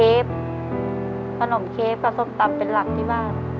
อะไรอย่างเงี้ยค่ะเคฟผนมเคฟกับส้มตำเป็นหลักที่บ้าน